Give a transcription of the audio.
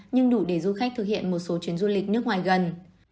nhưng đủ để du khách thực hiện một số chuyến du lịch nước ngoài gần